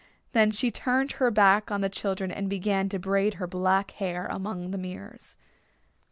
Then she turned her back on the children and began to braid her black hair among the mirrors.